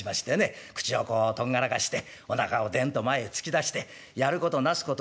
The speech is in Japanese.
口をこうとんがらかしておなかをデンと前へ突き出してやることなすこと